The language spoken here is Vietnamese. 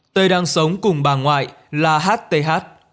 tê đang sống cùng bà ngoại là h t h